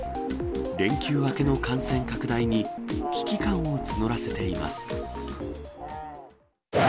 連休明けの感染拡大に、危機感を募らせています。